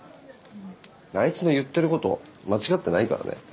あいつの言ってること間違ってないからね。